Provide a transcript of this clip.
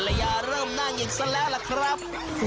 ฮัลยาเริ่มนั่งอย่างซะแล้วล่ะครับ